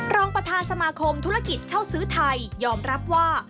รองประธานสมาคมธุรกิจเช่าซื้อไทยยอมรับว่า